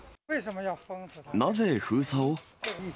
なぜ、封鎖を？